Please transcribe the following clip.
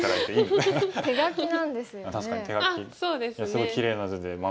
すごいきれいな字で。